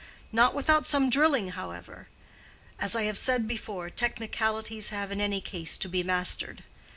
Not without some drilling, however: as I have said before, technicalities have in any case to be mastered.